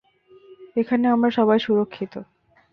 এখানে আমরা সবাই সুরক্ষিত।